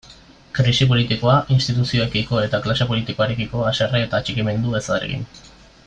Krisi politikoa, instituzioekiko eta klase politikoarekiko haserre eta atxikimendu ezarekin.